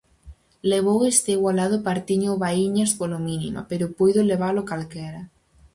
Levou este igualado partido o Baíñas pola mínima, pero puido levalo calquera.